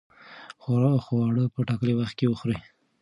خواړه په ټاکلي وخت کې وخورئ.